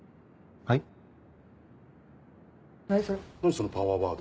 そのパワーワード。